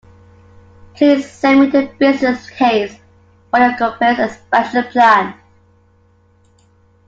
Please send me the business case for your company’s expansion plan